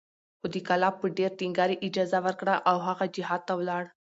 خو د کلاب په ډېر ټينګار یې اجازه ورکړه او هغه جهاد ته ولاړ